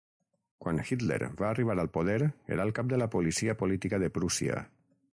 Quan Hitler va arribar al poder era el cap de la policia política de Prússia.